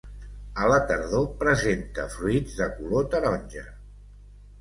A la tardor presenta fruits de color taronja.